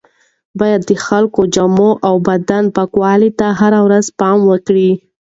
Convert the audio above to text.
باید د خپلو جامو او بدن پاکوالي ته هره ورځ پام وکړو.